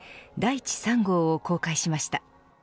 いち３号を公開しました。